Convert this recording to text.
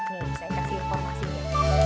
nih saya kasih informasinya